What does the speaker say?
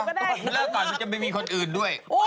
มันเลิกก่อนแล้วจะไม่มีคนอื่นด้วย